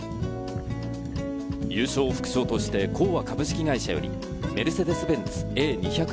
優勝副賞として興和株式会社よりメルセデス・ベンツＡ２００